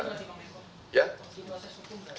proses hukum lagi pak menko